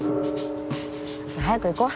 じゃあ早く行こう。